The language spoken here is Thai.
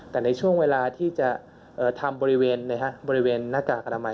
แต่ในช่วงเวลาที่จะทำบริเวณบริเวณหน้ากากอนามัย